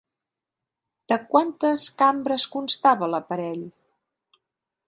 De quantes cambres constava l'aparell?